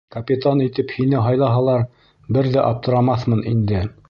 Капитан итеп һине һайлаһалар, бер ҙә аптырамаҫмын инде.